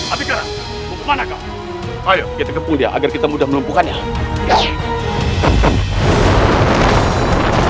apikara kemana kau